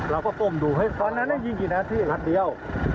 เราก็ป้มดูเฮ้ยตอนนั้นได้ยินกี่นาทีนัดเดียว